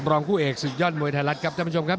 รองคู่เอกศึกยอดมวยไทยรัฐครับท่านผู้ชมครับ